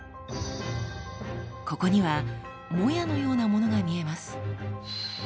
ここにはもやのようなものが見えます。